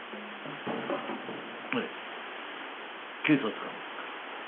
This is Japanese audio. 警察官ですから。